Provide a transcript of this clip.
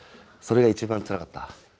それが一番つらかった。